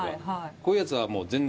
こういうやつは。